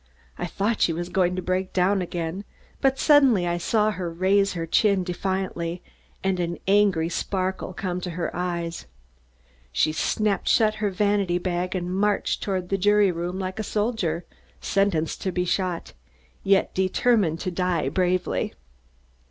I thought she was going to break down again, but suddenly I saw her raise her chin defiantly and an angry sparkle come to her eyes. She snapped shut her vanity bag and marched toward the jury room like a soldier, sentenced to be shot, yet determined to die bravely.